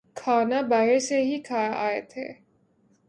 کھانا باہر سے ہی کھا آئے تھے